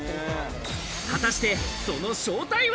果たしてその正体は？